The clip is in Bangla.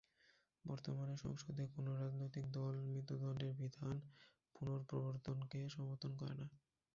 বর্তমানে সংসদে কোনো রাজনৈতিক দল মৃত্যুদন্ডের বিধান পুনঃপ্রবর্তনকে সমর্থন করে না।